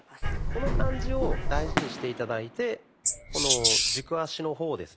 この感じを大事にして頂いてこの軸足の方をですね